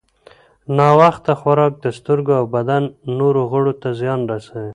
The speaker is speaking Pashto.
ناوخته خوراک د سترګو او بدن نورو غړو ته زیان رسوي.